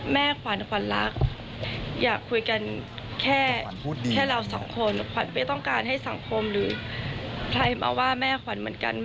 แม่ขวัญขวัญรักอยากคุยกันแค่เราสองคนขวัญไม่ต้องการให้สังคมหรือใครมาว่าแม่ขวัญเหมือนกัน